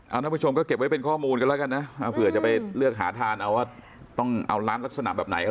เอาท่านผู้ชมก็เก็บไว้เป็นข้อมูลกันแล้วกันนะเผื่อจะไปเลือกหาทานเอาว่าต้องเอาร้านลักษณะแบบไหน